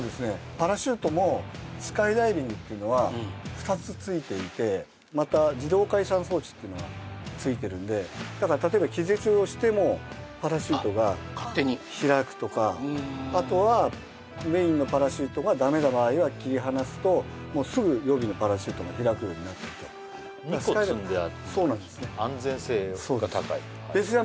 パラシュートもスカイダイビングっていうのは２つついていてまた自動開傘装置っていうのがついてるんでだから例えば気絶をしてもパラシュートが開くとかあっ勝手にあとはメインのパラシュートがダメな場合は切り離すとすぐ予備のパラシュートが開くようになってると２個積んであるそうなんですね安全性が高いそうです